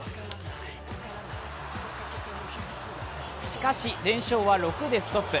しかし、連勝は６でストップ。